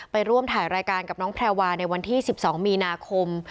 ไปร่วมถ่ายรายการกับน้องแพรวาในวันที่๑๒มีนาคม